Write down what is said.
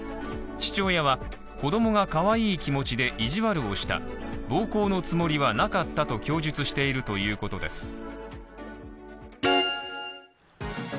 父親は子供がかわいい気持ちで意地悪をした暴行のつもりはなかったと供述しているということです。